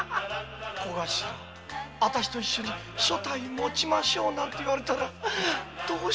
あたしと一緒に所帯もちましょうなんて言われたらどうしよう。